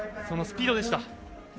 そのスピードでした。